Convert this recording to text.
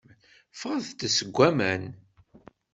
Ffɣet-d seg waman.